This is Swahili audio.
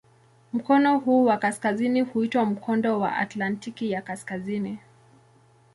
Mkono huu wa kaskazini huitwa "Mkondo wa Atlantiki ya Kaskazini".